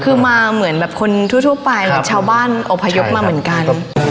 คือมาเหมือนแบบคนทั่วไปชาวบ้านอพยพมาเหมือนกัน